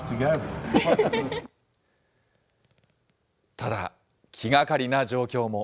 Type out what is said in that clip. ただ、気がかりな状況も。